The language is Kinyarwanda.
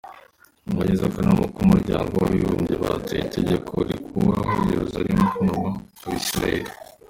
Abagize akanama k’umuryango w’abibumbye batoye itegeko rikuraho Yeruzalemu nk’umurwa wa Isiraheli.